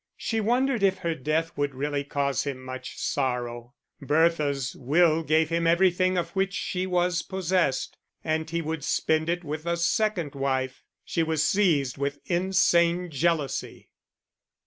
She wondered if her death would really cause him much sorrow; Bertha's will gave him everything of which she was possessed, and he would spend it with a second wife. She was seized with insane jealousy.